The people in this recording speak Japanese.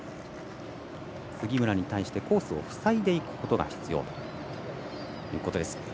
杉村に対してコースを塞いでいくことが必要ということです。